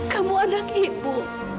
kamu anak ibu